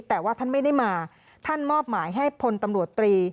แต่ว่าท่านไม่ได้มาท่านมอบหมายให้พลตำรวจตรี